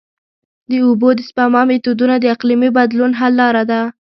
د اوبو د سپما میتودونه د اقلیمي بدلون حل لاره ده.